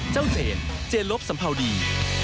เจ้าเจนเจนลบสำเภาดี